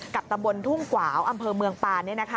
ตำบลทุ่งกวาวอำเภอเมืองปาน